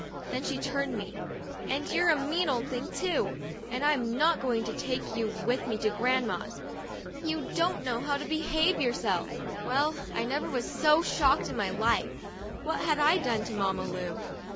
Then she turned to me, "And you're a mean old thing too ! and I'm not going to take you with me to Grand ma's. You don't know how to behave yourself." Well, I never was so shocked in my life. What had I done to Mamma Lu?